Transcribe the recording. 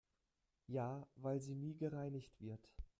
Ja, weil sie nie gereinigt wird.